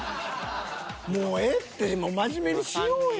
もうええって真面目にしようや。